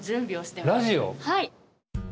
はい。